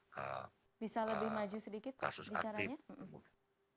kasus aktif bisa lebih maju sedikit pak di caranya